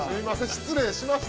失礼しました。